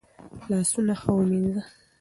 لاسونه ښه ومینځه.